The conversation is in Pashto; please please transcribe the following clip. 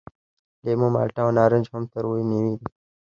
لیمو، مالټه او نارنج هم تروه میوې دي.